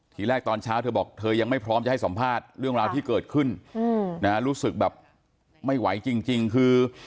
ทีแรกตอนเช้าเธอบอกเธอยังไม่พร้อมจะให้สัมภาษณ์เรื่องราวที่เกิดขึ้นรู้สึกแบบไม่ไหวจริงคือ